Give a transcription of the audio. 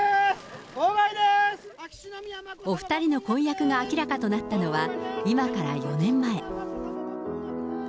お２人の婚約が明らかとなったのは、今から４年前。